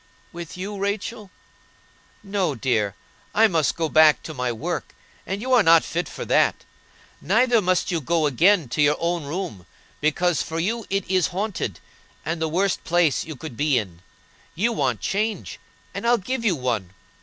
"With you, Rachel?" "No, dear, I must go back to my work, and you are not fit for that. Neither must you go again to your own room, because for you it is haunted, and the worst place you could be in. You want change, and I'll give you one.